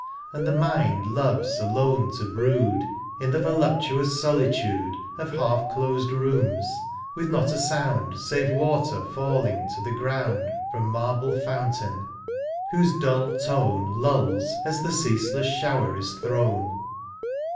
And the mind loves alone to brood In the voluptuous solitude Of half closed rooms, with not a sound. Save water fedling to the ground From marble fountain, whose dull tone Lulls as the ceaseless shower is tihrown.